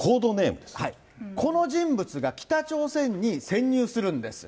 この人物が北朝鮮に潜入するんです。